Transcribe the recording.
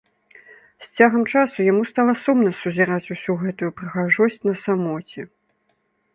З цягам часу яму стала сумна сузіраць усю гэтую прыгажосць на самоце.